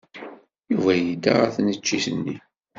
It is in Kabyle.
Yuba yedda seg tneččit-nni.